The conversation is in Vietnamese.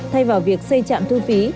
thay vào việc xây chạm thu phí